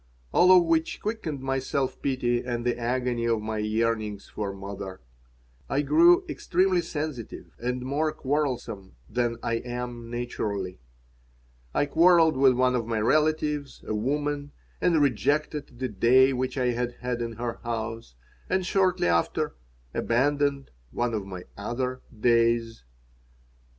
All of which quickened my self pity and the agony of my yearnings for mother. I grew extremely sensitive and more quarrelsome than I am naturally. I quarreled with one of my relatives, a woman, and rejected the "day" which I had had in her house, and shortly after abandoned one of my other "days."